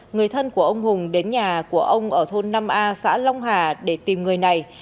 người thân của ông hùng đến nhà của ông ở thôn năm a xã long hà để tìm người này